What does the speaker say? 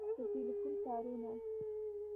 د ټیلیفون کارونه